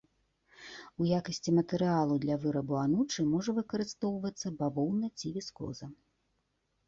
У якасці матэрыялу для вырабу анучы можа выкарыстоўвацца бавоўна ці віскоза.